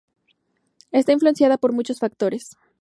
Está influenciada por muchos factores.